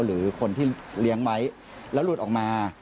หรือคนที่เลี้ยงไว้แล้วหลุดออกมา